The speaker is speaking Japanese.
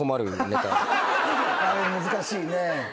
あれ難しいね。